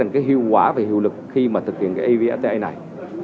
tôi thấy rằng cái hiệu quả và hiệu lực khi mà thực hiện cái evfta này